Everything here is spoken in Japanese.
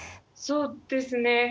そうですね。